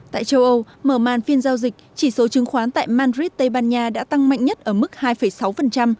tại châu âu mở màn phiên giao dịch chỉ số chứng khoán tại madrid tây ban nha đã tăng mạnh nhất ở mức hai sáu